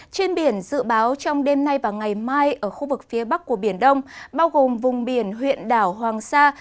trên biển dự báo trong đêm nay và ngày mai ở khu vực phía bắc của biển đông bao gồm vùng biển huyện đảo hoàng sa